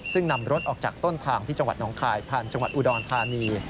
ซึ่งนำรถออกจากต้นทางที่จังหวัดหนองคายผ่านจังหวัดอุดรธานี